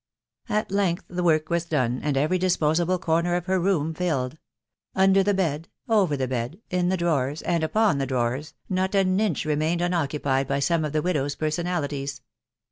At length the work was done, and every disposable corner of her room filled ; under the bed, over the bed, in the drawers, and upon the drawers, not an inch remained unoccupied by some of the widow's personalities.